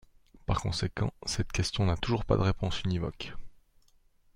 Par conséquent, cette question n’a toujours pas de réponse univoque.